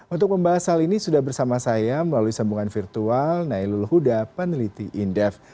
untuk membahas hal ini sudah bersama saya melalui sambungan virtual nailul huda peneliti indef